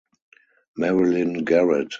Marilyn Garrett.